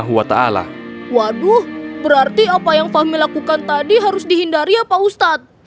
waduh berarti apa yang fahmi lakukan tadi harus dihindari ya pak ustadz